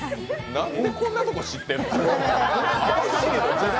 なんでこんなとこ、知ってるの？